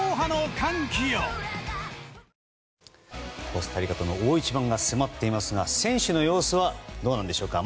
コスタリカとの大一番が迫っていますが選手の様子はどうなんでしょうか。